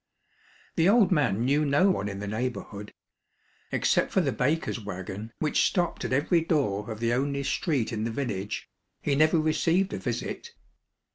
The old man knew no one in the neighborhood. Except for the baker's wagon, which stopped at every door of the only street in the village, he never received a visit.